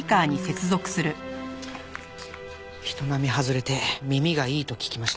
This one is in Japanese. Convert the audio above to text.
人並み外れて耳がいいと聞きました。